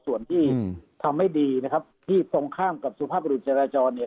ส่วนที่ทำไม่ดีนะครับที่ตรงข้ามกับสุภาพบรุษจราจรเนี่ย